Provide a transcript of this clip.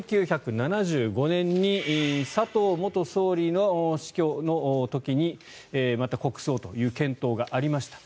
１９７５年に佐藤元総理の死去の時にまた国葬という検討がありました。